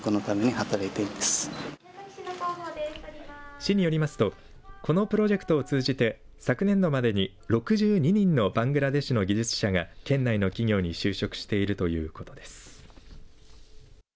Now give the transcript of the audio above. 市によりますとこのプロジェクトを通じて昨年度までに６２人のバングラデシュの技術者が県内の企業に就職しているということです。